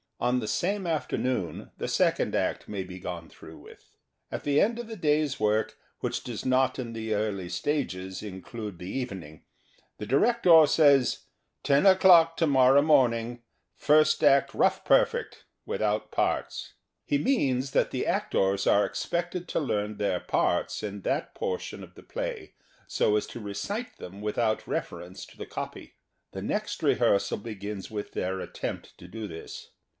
On the same afternoon the second act may be gone through with. At the end of the day's work, which does not in the early stages include the evening, the director says: " Ten o'clock to morrow morningŌĆö first act rough perfect without parts." He WILLIAM GILLETTE. The Theatre and Its People 149 means that the actors are expected to learn their parts in that portion of the play so as to recite them without refer ring to the copy. The next rehearsal hegins with their attempt to do this.